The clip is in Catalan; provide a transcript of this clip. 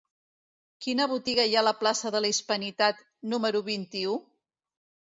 Quina botiga hi ha a la plaça de la Hispanitat número vint-i-u?